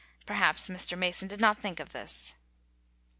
Perhaps Mr. Mason did not think of this.